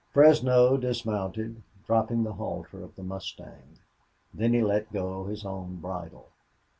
Fresno dismounted, dropping the halter of the mustang. Then he let go his own bridle.